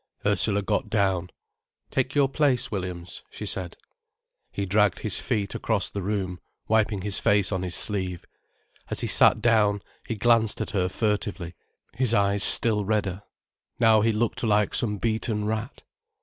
Ursula got down. "Take your place, Williams," she said. He dragged his feet across the room, wiping his face on his sleeve. As he sat down, he glanced at her furtively, his eyes still redder. Now he looked like some beaten rat.